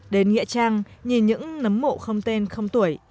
đến nghĩa trang nhìn những nấm mộ không tên không tuổi